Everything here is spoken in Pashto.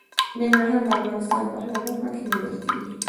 ننګرهار د افغانستان په هره برخه کې موندل کېږي.